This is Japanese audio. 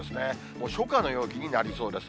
もう初夏の陽気になりそうです。